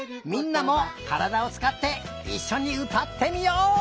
みんなもからだをつかっていっしょにうたってみよう！